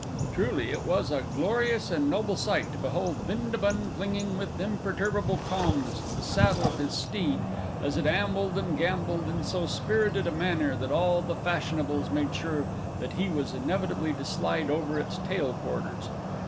Truly, it was a glorious and noble sight to behold Bindabun clinging with imperturbable calmness to the saddle of his steed, as it ambled and gamboled in so spirited a manner that all the fashionables made sure that he was inevitably to slide over its tail quarters!